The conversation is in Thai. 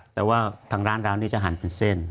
แต่ว่าทางร้านเรานี่จะหั่นเป็นเส้น